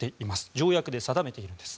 条約で定めているんです。